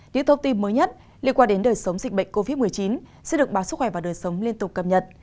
những thông tin mới nhất liên quan đến đời sống dịch bệnh covid một mươi chín sẽ được báo sức khỏe và đời sống liên tục cập nhật